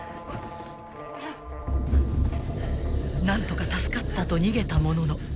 ［何とか助かったと逃げたものの］